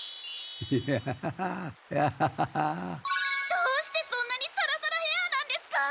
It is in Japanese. どうしてそんなにサラサラヘアなんですか？